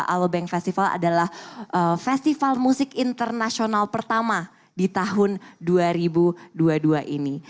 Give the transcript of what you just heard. alobank festival adalah festival musik internasional pertama di tahun dua ribu dua puluh dua ini